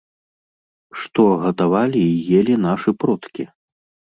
Што гатавалі і елі нашы продкі?